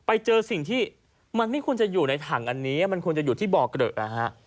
ไปเจอสิ่งที่มันไม่ควรจะอยู่ในถังอันนี้มันควรจะอยู่ที่บ่อเกลอะนะฮะ